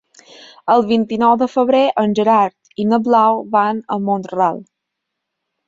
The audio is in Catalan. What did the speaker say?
El vint-i-nou de febrer en Gerard i na Blau van a Mont-ral.